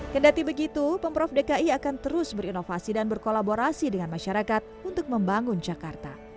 kendati begitu pemprov dki akan terus berinovasi dan berkolaborasi dengan masyarakat untuk membangun jakarta